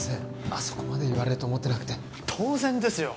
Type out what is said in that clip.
あそこまで言われると思ってなくて当然ですよ